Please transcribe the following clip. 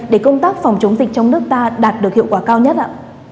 để công tác phòng chống dịch trong nước ta đạt được hiệu quả cao nhất ạ